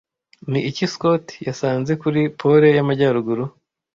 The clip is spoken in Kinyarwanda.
Ni iki Scott yasanze kuri Pole y'Amajyaruguru